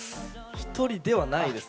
１人ではないです。